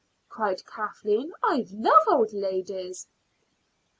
cried Kathleen. "I love old ladies."